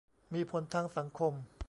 มีผลทางสังคม